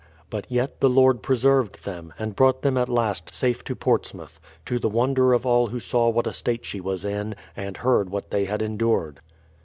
But yet the Lord preserved them, and brought them at last safe to Ports mouth, to the wonder of all who saw what a state she was in, and heard what they had endured.